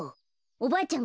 おばあちゃん